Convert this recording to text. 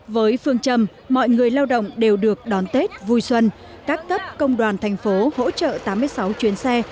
với phương châm mọi người lao động đều được đón tết vui xuân các cấp công đoàn thành phố hỗ trợ tám mươi sáu chuyến xe